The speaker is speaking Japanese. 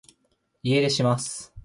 家出します